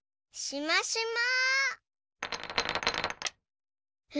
しましま！